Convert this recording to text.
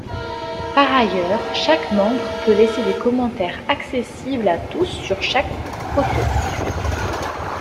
Par ailleurs, chaque membre peut laisser des commentaires accessibles à tous sur chaque photo.